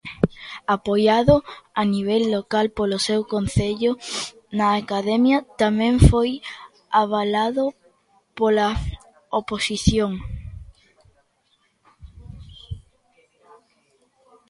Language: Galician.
Apoiado a nivel local polo seu Concello, na Academia tamén foi avalado pola 'oposición'.